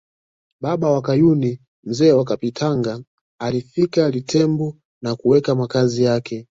Baba wa Kayuni Mzee Kapitingana alifika Litembo na kuweka makazi yake